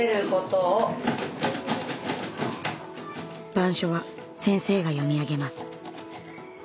板書は先生が読み上げます。